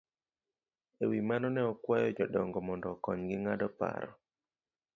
E wi mano, ne okwayo jodongo mondo okonygi ng'ado paro